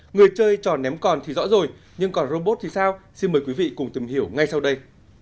người chơi trò ném còn thì rõ rồi nhưng còn robot thì sao xin mời quý vị cùng tìm hiểu ngay sau đây